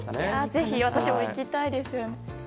ぜひ、私も行きたいです。